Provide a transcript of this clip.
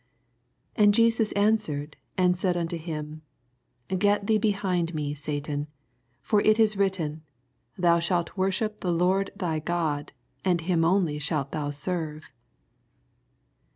8 And Jesus answered and said unto him, Get thee behind me, Satan : for it is written. Thou shalt worship the Lord thy God, and him only ahalt thou serve.